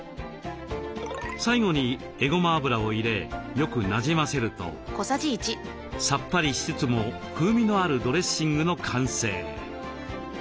最後にえごま油を入れよくなじませるとさっぱりしつつも風味のあるドレッシングの完成。